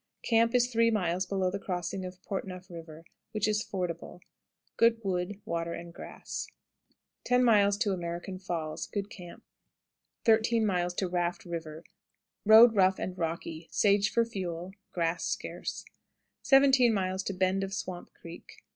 Camp is three miles below the crossing of Port Neuf River, which is fordable. Good wood, water, and grass. 10. American Falls. Good camp. 13. Raft River. Road rough and rocky. Sage for fuel; grass scarce. 17. Bend of Swamp Creek.